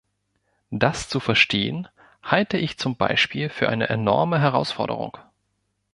Das zu verstehen, halte ich zum Beispiel für eine enorme Herausforderung.